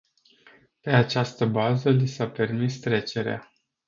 Pe această bază li s-a permis trecerea.